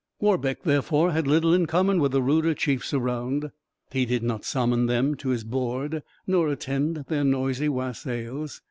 Warbeck, therefore, had little in common with the ruder chiefs around: he did not summon them to his board, nor attend at their noisy wassails.